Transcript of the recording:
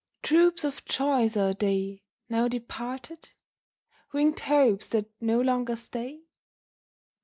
Troops of joys are they, now departed? Winged hopes that no longer stay?